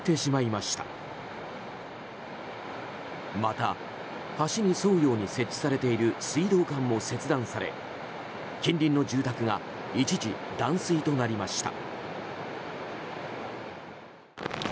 また橋に沿うように設置されている水道管も切断され近隣の住宅が一時断水となりました。